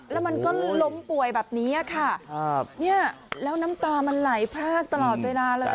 แล้วมันก็ล้มป่วยแบบนี้ค่ะครับเนี่ยแล้วน้ำตามันไหลพรากตลอดเวลาเลย